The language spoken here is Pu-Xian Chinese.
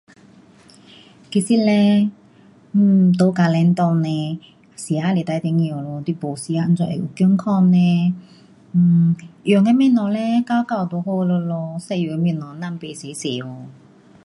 其实嘞，um 在家庭内嘞，吃是最重要的咯，你没吃怎样会有健康呢？um 用的东西嘞，够够就好了咯，一样的东西甭买多多哦。